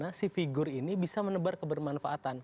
bagaimana si figur ini bisa menebar kebermanfaatan